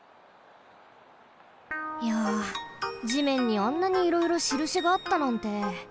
いや地面にあんなにいろいろしるしがあったなんて。